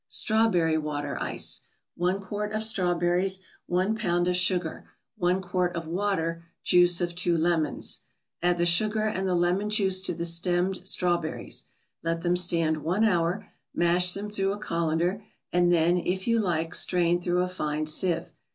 STRAWBERRY WATER ICE 1 quart of strawberries 1 pound of sugar 1 quart of water Juice of two lemons Add the sugar and the lemon juice to the stemmed strawberries, let them stand one hour; mash them through a colander, and then, if you like, strain through a fine sieve.